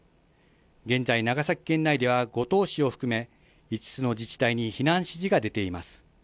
現在、長崎県内では五島市を含め５つの自治体に避難指示が出ています。